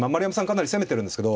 かなり攻めてるんですけど